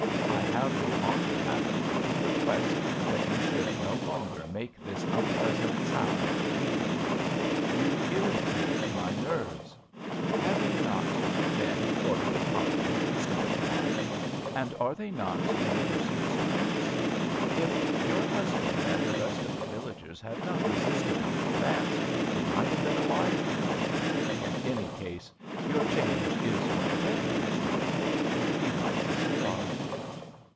I have the honour, madam, to request that you should no longer make this unpleasant sound of weeping. You irritate my nerves. Have you not two men quar tered upon you instead of one? And are they not university students? If 19 RADA your husband and the rest of the villagers had not resisted our advance, they might have been alive, too. In any case, your change is for the better. Isn't it? {He lights a cigar.)